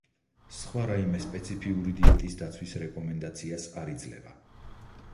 სხვა რაიმე სპეციფიური დიეტის დაცვის რეკომენდაციას არ იძლევა.